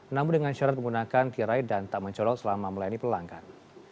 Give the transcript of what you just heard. namun dengan syarat menggunakan tirai dan tak mencolok selama melayani pelanggan